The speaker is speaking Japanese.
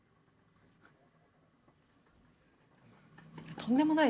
とんでもない？